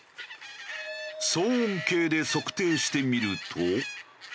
騒音計で測定してみると。